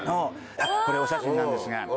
これお写真なんですが。